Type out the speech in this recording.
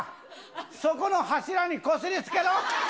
そこの柱にこすりつけろ。